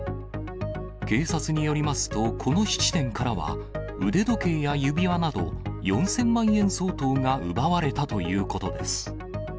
警察によりますとこの質店からは、腕時計や指輪など４０００万円相当が奪われたということです。